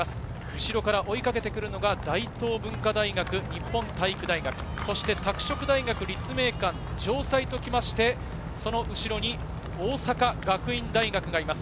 後ろから追いかけてくるのが大東文化大学、日本体育大学、そして拓殖大学、立命館、城西ときて、その後ろに大阪学院大学がいます。